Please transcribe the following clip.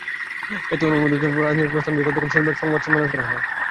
এতে অনুমোদিত রাজনৈতিক প্রস্তাব নিয়ে গতকাল শনিবার সংবাদ সম্মেলন করা হয়।